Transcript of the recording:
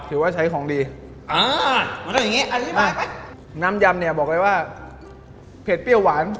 ถือว่าใช้ของดีอ่ามันก็อย่างงี้อันนี้น้ำยำเนี่ยบอกเลยว่าเผ็ดเปรี้ยวหวาน